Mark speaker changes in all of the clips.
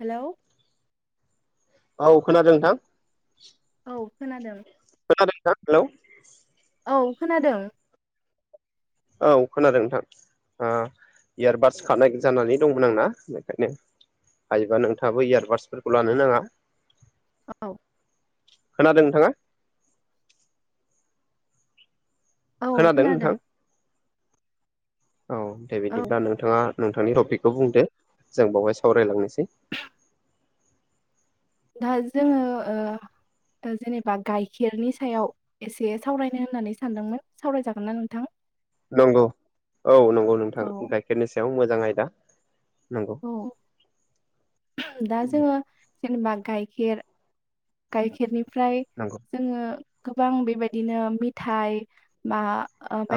Speaker 1: हेल'
Speaker 2: औ खोनादों नोंथां
Speaker 1: औ खोनादों
Speaker 2: खोनादों सा हेल'
Speaker 1: औ खोनादों
Speaker 2: औ खोनादों नोंथां इयारबादस खानाय जानानै दंमोन आंना बेखायनो हायोबा नोंथाङाबो इयारबाद्सफोरखौ लानो नाङा
Speaker 1: औ
Speaker 2: खोनादों नोंथाङा खोनादों नोंथां औ दे
Speaker 1: औ
Speaker 2: बिदिब्ला नोंथाङा नोंथांनि टपिकखौ बुंदो जों बावहाय सावरायलांनोसै
Speaker 1: दा जोङो जेनेबा गाइखेरनि सायाव एसे सावरायनो होननानै सानदोंमोन सावरायजागोन ना नोंथां
Speaker 2: नंगौ औ नंगौ
Speaker 1: औ
Speaker 2: नोंथां गाइखेरनि सायाव मोजां आयदा नंगौ
Speaker 1: औ दा जोङो जेनेबा गाइखेर गाइखेरनिफ्राय
Speaker 2: नंगौ
Speaker 1: जोङो गोबां बेबायदिनो मेथाइ बा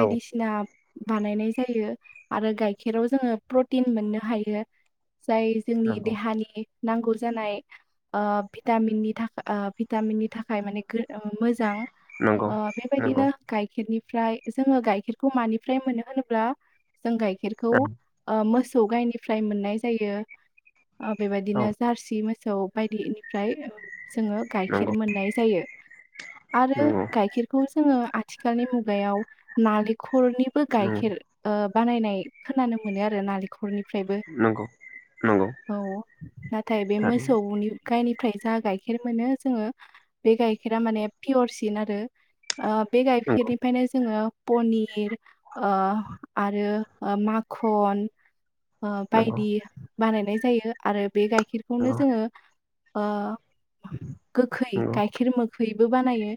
Speaker 2: औ
Speaker 1: बानायनाय जायो आरो गाइखेराव जोङो प्रटिन मोननो हायो जाय जोंनि
Speaker 2: नंगौ
Speaker 1: देहानि नांगौ जानाय ओ भिटामिननि थाखा ओ भिटामिननि थाखाय माने गो ओ मोजां
Speaker 2: नंगौ
Speaker 1: ओ
Speaker 2: नंगौ
Speaker 1: बेबायदिनो गाय खेरनिफ्राय जोङो गाइखेरखौ मानिफ्राय मोनो होनोब्ला जों गाइखेरखौ ओ मोसौ गायनिफ्राय मोननाय जायो ओ
Speaker 2: औ
Speaker 1: बेबायदिनो जारसि मो सौ बायदिनिफ्राय जोङो गाइखेर
Speaker 2: नंगौ
Speaker 1: मोननाय जायो। आरो
Speaker 2: नंगौ
Speaker 1: गाइखेरखौ जोङो आथिखालनि मुगायाव नालेखलनि बो
Speaker 2: नंगौ
Speaker 1: गाइखेर ओ बानायनाय खोनानो मोनो आरो नालेखरनि फ्रायबो
Speaker 2: नंगौ नंगौ
Speaker 1: औ नाथाय बे
Speaker 2: थारैनो
Speaker 1: मोसौनि गायनिफ्राय जा गाय खेर मोनो जोङो बे गाइखेरा माने पियर सिन आरो ओ बे
Speaker 2: नंगौ
Speaker 1: गाइखेरनि फ्रायनो जोङो पनिर अ आरो ओ माखन ओ
Speaker 2: नंगौ
Speaker 1: बायदि बानायनाय जायो आरो बे गाइखेरखौनो
Speaker 2: नंगौ
Speaker 1: जोङो ओ गोखै
Speaker 2: नंगौ
Speaker 1: गाइखेर मोखैबो बानायो।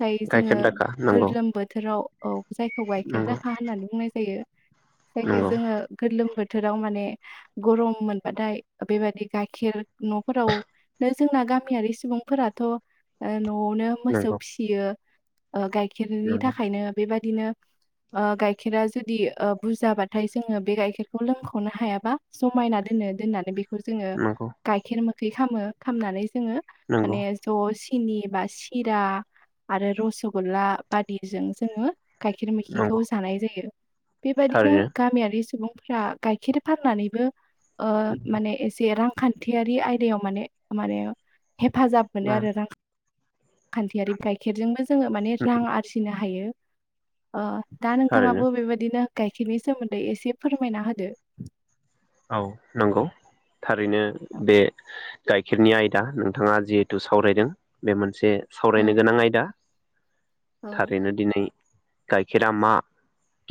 Speaker 1: जाय
Speaker 2: गाइखेर
Speaker 1: जोङो
Speaker 2: दाखा नंगौ
Speaker 1: गोरलोम बोथोराव औ जायखौ गाइखेर
Speaker 2: नंगौ
Speaker 1: जाखा होननानै बुंनाय जायो। जायखौ
Speaker 2: नंगौ
Speaker 1: जोङो गोरलोम बोथोराव माने गरम मोनबाथाय बेबायदि गाइखेर न'फोराव नो जोंना गा मियारि सुबुंफोराथ' ओ न'आवनो मोसौ
Speaker 2: नंगौ
Speaker 1: फिसियो। ओ गाइखेरनि
Speaker 2: नंगौ
Speaker 1: थाखायनो बेबायदिनो ओ गाइखेरा जुदि ओ बुरजाबाथाय जोङो बे गाइखेरखौ लोंख'नो हायाबा समायना दोनो दोननानै बेखौ जोङो
Speaker 2: नंगौ
Speaker 1: गाइखेर मोखै खामो। खामनानै जोङो
Speaker 2: नंगौ
Speaker 1: माने ज' सिनि बा सिरा आरो रस'ग्ला बादिजों जोङो गाइखेर मैखिखौ
Speaker 2: नंगौ
Speaker 1: जानाय जायो। बेबायदिनो
Speaker 2: थारैनो
Speaker 1: गामियारि सुबुंफ्रा गाइखेर फाननानैबो ओ माने एसे रां- खान्थियारि आयदायाव माने-माने हेफाजाब मोनो
Speaker 2: उम
Speaker 1: आरो रां- खान्थियारि गाइखेरजोंबो जोङो माने रां आरजिनो हायो। ओ दा
Speaker 2: थारैनो
Speaker 1: नोंथाङाबो बेबायदिनो गाइखेरनि सोमोन्दै एसे फोरमायना होदो।
Speaker 2: औ नंगौ थारैनो
Speaker 1: औ
Speaker 2: बे गाइखेरनि आयदा नोंथाङा जिहेथु सावरायदों बे मोनसे
Speaker 1: औ
Speaker 2: सावरायनो गोनां आयदा
Speaker 1: औ
Speaker 2: थारैनो। दिनै गाइखेरा मा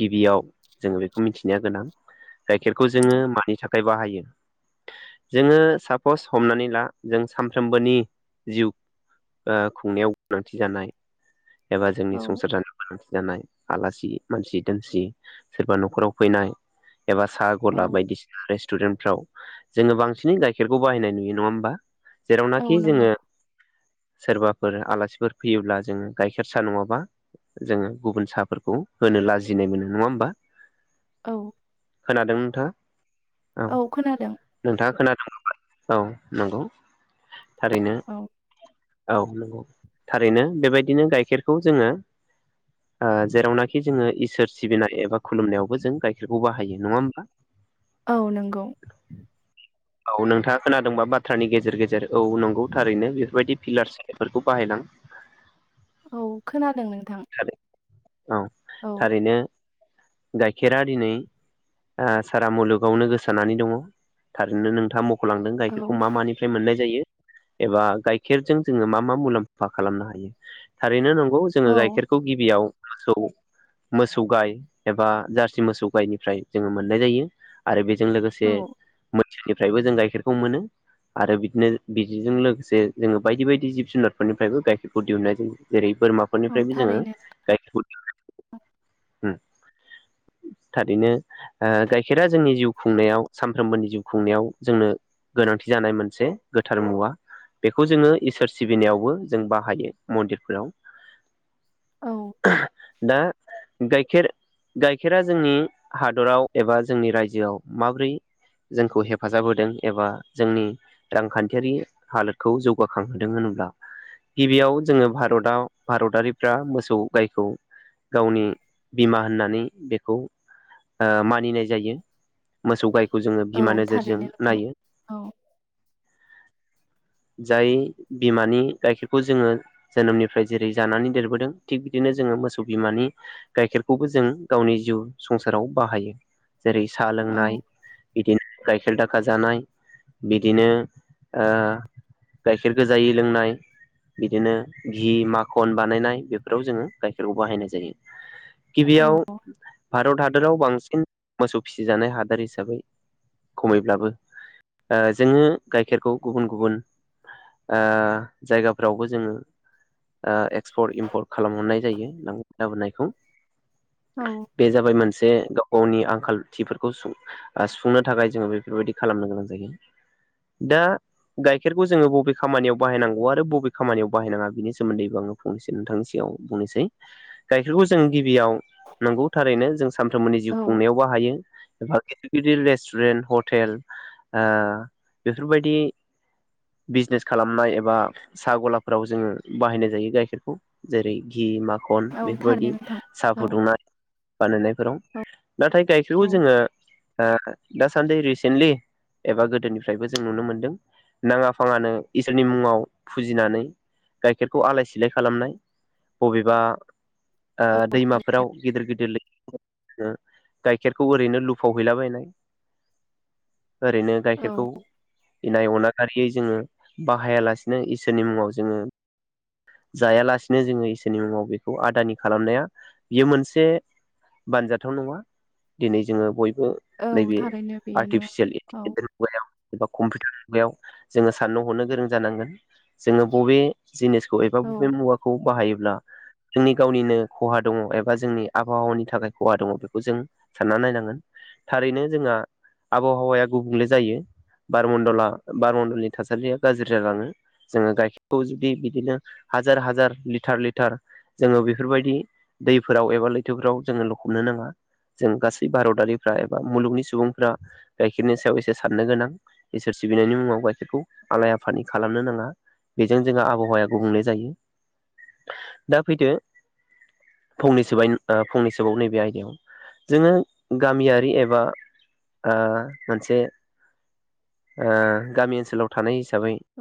Speaker 2: गिबियाव जोङो बेखौ मिथिनाया गोनां। गाइखेरखौ जोङो मानि थाखाय बाहायो? जोङो सापस हमनानै ला जों सानफ्रोमबोनि जिउ ओ खुंनायाव गोनांथि जानाय एबा जोंनि
Speaker 1: औ
Speaker 2: संसार जानायाव गोनांथि जानाय आलासि मानसि-दोमसि सोरबा न'खराव फैनाय एबा साहा
Speaker 1: औ
Speaker 2: गला बायदिसि- रेस्टुरेन्टफ्राव जोङो बांसिनै गाइखेरखौ बाहायनाय नुयो नङा होमबा?
Speaker 1: औ
Speaker 2: जेरावनाखि
Speaker 1: नंगौ
Speaker 2: जोङो सोरबाफोर आलासिफोर फैयोब्ला जोङो गाइखेरसा नङाबा जोङो गुबुन साहाफोरखौ होनो लाजिनाय मोनो नङा होमबा?
Speaker 1: औ
Speaker 2: खोनादों नोंथा?
Speaker 1: औ खोनादों।
Speaker 2: नोंथाङा खोनादों औ नंगौ थारैनो
Speaker 1: औ
Speaker 2: औ नंगौ थारैनो बेबायदिनो गाइखेरखौ जोङो ओ जेरावनाखि जोङो इसोर सिबिनाय एबा खुलुमनायावबो जों गाइखेरखौ बाहायो नङा होमबा?
Speaker 1: औ नोंगौ
Speaker 2: औ नोंथाङा खोनादोंबा बाथ्रानि गेजेर गेजेर औ नंगौ थारैनो बेफोरबायदि फिलार सिनफोरखौ बाहायलां।
Speaker 1: औ खोनादों नोंथां।
Speaker 2: औ थारैनो गाइखेरा दिनै आ सारा मुलुगावनो गोसारनानानै दङो थारैनो नोंथाङा मख'लांदों
Speaker 1: औ
Speaker 2: गाइखेरखौ मा मानि मोननाय जायो एबा गाइखेरजों जोंङो मा मा मुलाम्फा खालामनो हायो थारैनो नं जोंङो
Speaker 1: औ
Speaker 2: गाइखेरखौ गिबियाव मोसौ मोसौ गाय एबा जारसि मोसौ गायनिफ्राय जोंङो मोननाय जायो आरो बेजों लोगोसे
Speaker 1: औ
Speaker 2: ससे मोसनिफ्रायबो जों गाइखेरखौ मोनो आरो बिदिनो बिदिजों लोगोसे जोंंङो बायदि बायदि जिब जुनारफोरनिफ्रायबो गाइखेरखौ दिहुननाय जायो जेरै
Speaker 1: औ
Speaker 2: बोरमाफोरनिफ्रायबो जोंङो
Speaker 1: थारैनो
Speaker 2: गायखेरखौ दिहुनो। थारैनो। गाइखेरा जोंनि जिउ खुंनायाव सानफ्रोमबोनि जिउ खुंनायाव जोंनो गोनांथि जानाय मोनसे गोथार मुवा बेखौ जोंङो इसोर सिबिनायावबो जों बाहायो मन्दिरफोराव
Speaker 1: औ।
Speaker 2: दा गाइखेर गाइखेरा जोंनि हादराव एबा जोंनि रायजोआव माबोरै जोंखौ हेफाजाब होदों एबा जोंनि रांखान्थियारि हालोदखौ जौगाखांहोदों होनोब्ला गिबियाव जोंङो भारताव भारतारि फ्रा मोसौ गायखौ गावनि बिमा होननानै बेखौ ओ मानिनाय जायो मोसौ गायखौ जोंङो
Speaker 1: औ
Speaker 2: बिमा नोजोरजों
Speaker 1: थारैनो नोंथां
Speaker 2: नायो।
Speaker 1: औ
Speaker 2: [inaudible] जाय बिमानि गाइखेरखौ जोंङो जोनोमनिफ्राय जेरै जानानै देरबो बोदों थिग बिदिनो जोंङो मोसौ बिमानि गाइखेरखौबो जों गावनि जिउ संसाराव बाहायो जेरै साहा
Speaker 1: औ
Speaker 2: लोंनाय बिदिनो गाइखेर दाखा जानाय बिदिनो ओ गाइखेर गो जायै लोंनाय बिदिनो घि माखन बानायनाय बेफोराव जोंङो गाइखेरखौ बाहायनाय जायो। गिबियाव भारत हादराव बांसिन मोसौ फिसिजानाय हादोर हिसाबै खमैब्लाबो ओ जोंङो गाइखेरखौ गुबुन गुबुन ओ जायगाफ्रावबो जोंङो ओ एक्सपर्ट इम्पर्ट खालामहरनाय जायो नां लाबोनायखौ
Speaker 1: औ
Speaker 2: बे जाबाय मोनसे गाव गावनि आंखालथिफोरखौ सुं सुफुंनो थाखाय जोंङो बेफोरबायदि खालामनो गोनां जायो। दा गाइखेरखौ जोंङो बबे खामानियाव बाहायनांगौ आरो बबे खामानियाव बाहायनाङा बिनि सोमोन्दैबो आङो फंनैसै नोंथांनिसिम आव बुंसै गाइखेरखौ जों गिबियाव नंगौ थारैनो जों सानफ्रोमबोनि जिउ
Speaker 1: औ
Speaker 2: खुंनायावबो हायो एबा गिदि गिदिर रेस्टुरेन्ट हटेल ओ बेफोरबायदि बिजनेस खालामनाय एबा सागलाफ्राव जोंङो बाहायनाय जायो गाइखेरखौ जेरै घि माख खन
Speaker 1: औ थारैनो
Speaker 2: बेफोरबायदि
Speaker 1: नोंथां
Speaker 2: साहा
Speaker 1: औ
Speaker 2: फुदुंनाय बानायनायफोराव नाथाय गाइखेरखौ जोङो ओ दासान्दि रिसेन्टलि एबा गोदोनिफ्रायबो जों नुनो मोनदों नांङा फाङानो इसोरनि मुंङाव फुजिनानै गाइखेरखौ आलाय सिलाय खालामनाय बबेबा ओ
Speaker 1: औ थारै
Speaker 2: दैमाफोराव गिदिर गिदिर लैथो फोराव जोङो गाइखेरखौ ओरैनो लु फावहैलाबायनाय ओरैनो
Speaker 1: औ
Speaker 2: गाइखेरखौ इनाय अनाय फारियै जोंङो बाहायालासिनो इसोरनि मुंङाव जोङो जायालासिनो जोङो इसोरनि मुंङाव बेखौ आदानि खालामनाया बेयो मोनसे बानजाथाव नंङा दिनै जोंङो बयबो
Speaker 1: औ
Speaker 2: नैबे
Speaker 1: थारैनो बेयो नङा
Speaker 2: आर्टिफिसियेल
Speaker 1: औ
Speaker 2: इन्टिलिजेन्स मुगायाव एबा कम्पिउटार मुगायाव जोंङो साननो हरनो गोरों जानांगोन जोंङो बबे जिनिसखौ एबा बबे
Speaker 1: औ
Speaker 2: मुवाखौ बाहायोब्ला जोंनि गावनिनो खहा दङ एबा जोंनि आबहावानि थाखाय खहा दङ बेखौ जों सानना नायनांगोन थारैनो जोंहा आबहावाया गुबुंले जायो बारमणडला बारमणडलनि थासारिया गाज्रि जालाङो जोङो गाइखेरखौ जुदि बिदिनो हाजार हाजार लिटार लिटार जोङो बेफोरबायदि दैफोराव एबा लैथोफोराव जोङो लखबनो नाङा जों गासै भारतारिफ्रा एबा मुलुगनि सुबुंफ्रा गाइखेरनि सायाव एसे साननो गोनां इसोर सिबिनायनि मुङाव गाइखेरखौ आलाय आफानि खालामनो नाङा बेजों जोंहा आबहावाया गुबुंले जायो। दा फैदो फंनै सोबाय फंनैसोबाव नैबे आयदायाव जोङो गामियारि एबा ओ मोनसे गामि ओनसोलाव थानाय हिसाबै